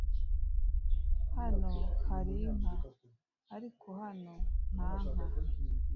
hano hari inka? ariko hano nta nka